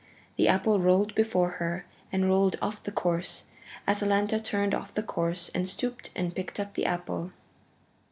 The apple rolled before her and rolled off the course. Atalanta turned off the course, stooped and picked up the apple.